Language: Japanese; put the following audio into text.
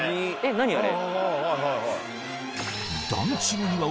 何あれ？